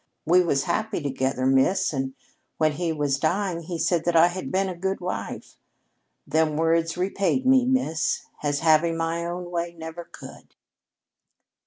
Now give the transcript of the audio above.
We was happy together, Miss, and when he was dying he said that I had been a good wife. Them words repaid me, Miss, as having my own way never could."